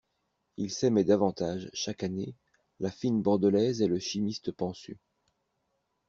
Ils s'aimaient davantage, chaque année, la fine Bordelaise et le chimiste pansu.